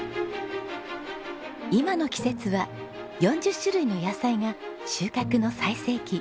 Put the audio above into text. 今の季節は４０種類の野菜が収穫の最盛期。